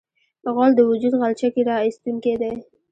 غول د وجود غلچکي راایستونکی دی.